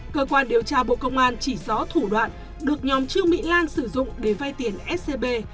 cơ quan điều tra bộ công an chỉ rõ thủ đoạn được nhóm trương mỹ lan sử dụng để vay tiền scb